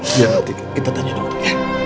biar nanti kita tanya dokter